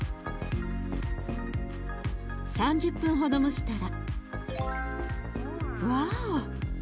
３０分ほど蒸したらワオ！